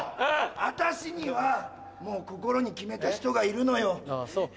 あたしにはもう心に決めた人がいるのよ。